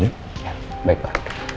ya baik pak